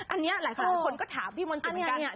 อันนี้หลายคนก็ถามพี่มนตรีเหมือนกัน